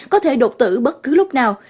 có thể đột tử bất cứ lúc nào